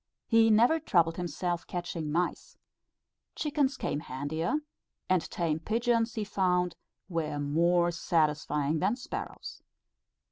He never troubled himself catching mice, chickens came handier; and tame pigeons he found were more satisfying than sparrows.